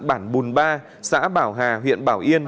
bản bùn ba xã bảo hà huyện bảo yên